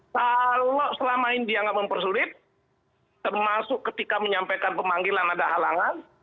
kalau selama ini dianggap mempersulit termasuk ketika menyampaikan pemanggilan ada halangan